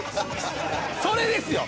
それですよ！